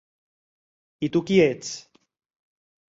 I tu qui ets?